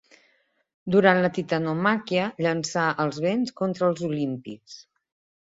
Durant la Titanomàquia, llançà els vents contra els Olímpics.